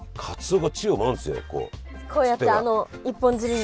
こうやってあの一本釣りの。